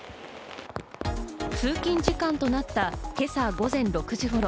通勤時間となった今朝午前６時頃。